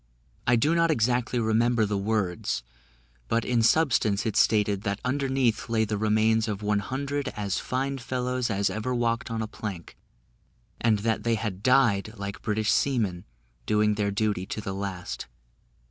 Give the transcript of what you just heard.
I do not exactly remember the words, but in substance it stated, that underneath lay the remains of one hundred as fine fellows as ever walked on a plank, and that they had died, like British seamen, doing their duty to the last.